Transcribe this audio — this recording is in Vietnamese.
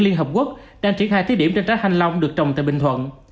liên hợp quốc đang triển khai thí điểm trên trái thanh long được trồng tại bình thuận